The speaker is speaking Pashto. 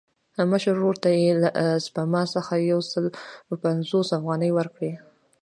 مشر ورور ته یې له سپما څخه یو سل پنځوس افغانۍ ورکړې.